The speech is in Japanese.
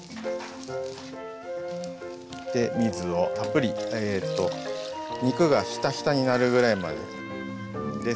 で水をたっぷり肉がひたひたになるぐらいまでです。